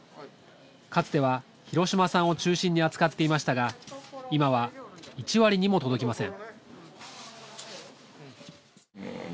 かつては広島産を中心に扱っていましたが今は１割にも届きません